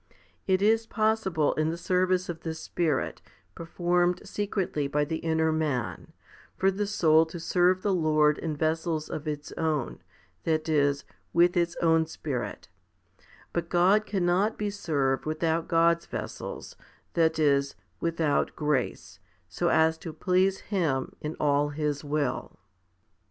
It is possible in the service of the Spirit, performed secretly by the inner man, for the soul to serve the Lord in vessels of its own, that is, with its own spirit ; but God cannot be served without God's vessels, that is, without grace, so as to please Him in all His will.